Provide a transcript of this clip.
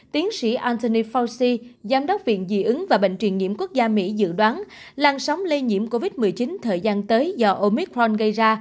tiến sĩ anthony fauci giám đốc viện dị ứng và bệnh truyền nhiễm quốc gia mỹ dự đoán làn sóng lây nhiễm covid một mươi chín thời gian tới do omicron gây ra